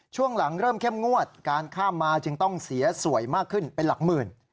ช่วงหลังเริ่มเข้มงวดการข้ามมาจึงต้องเสียสวยมากขึ้นเป็นหลักหมื่น